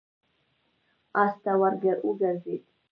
آس ته ور وګرځېد.